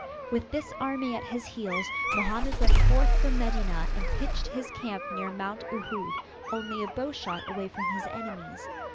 With his army at his heels Mohammed went forth from Medinah and pitched his camp near Mount Uhud, only a bowshot away from his enemies.